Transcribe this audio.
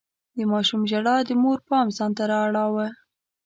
د ماشوم ژړا د مور پام ځان ته راواړاوه.